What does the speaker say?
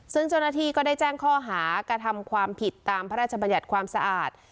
ซึ่งเจ้าหน้าที่ก็ได้แจ้งข้อหากระทำความผิดตามพระราชบัญญัติความสะอาด